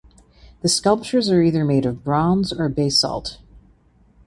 The sculptures are either made of bronze or basalt.